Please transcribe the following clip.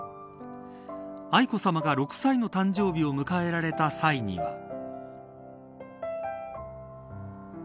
愛子さまが６歳の誕生日を迎えられた際には。